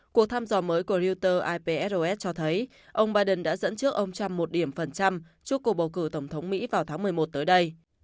cuộc thăm dò mới của reuters ipsos cho thấy ông biden đã dẫn trước ông trump một điểm phần trăm trước cuộc bầu cử tổng thống mỹ vào tháng một mươi một tới đây